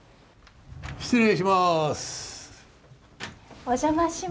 失礼します。